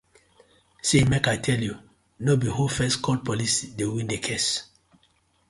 See mek I tell you be who first call Police dey win the case,